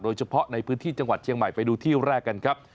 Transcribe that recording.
โดยเฉพาะในพื้นที่จังหวัดเชียงใหม่ไปดูที่แรกกันครับ